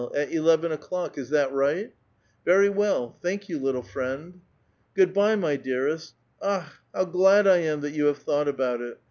At eleven o'clock ; is that right?" '' Very well ; thank you, little friend." "Good by, my dearest.* Akh! how glad I am that you have thought about it